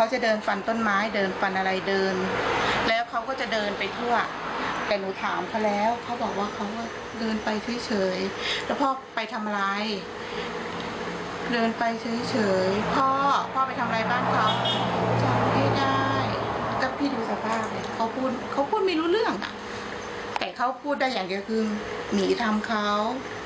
ใช่พี่ดูสภาพเขาพูดไม่รู้เรื่องแต่เขาพูดได้อย่างเกี่ยวกับหมีทำเขา